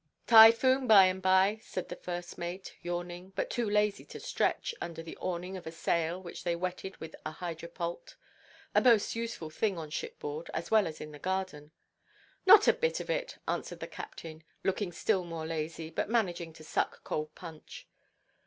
"Typhoon by–and–by," said the first mate, yawning, but too lazy to stretch, under the awning of a sail which they wetted with a hydropult, a most useful thing on shipboard, as well as in a garden. "Not a bit of it," answered the captain, looking still more lazy, but managing to suck cold punch.